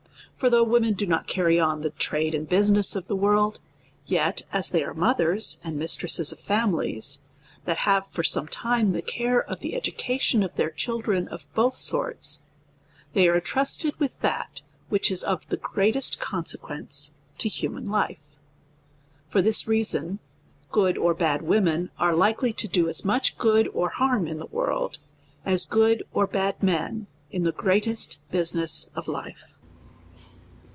For though women do not carry on the trade and bu siness of the world, yet as they are mothers and mis tresses of families, that have for some time the care of the education of their children of both sorts, they are entrusted with that which is of the greatest conse quence to human life. For this reason, good or bad, women are likely to do as much good or harm in the world, as good or bad men in the greatest business of life.